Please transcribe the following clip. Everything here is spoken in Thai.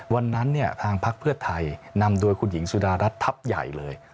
วันนั้นเนี่ยทางพักเพื่อไทยนำโดยคุณหญิงสุดารัฐทัพใหญ่เลย